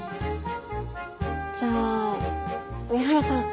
じゃあ上原さん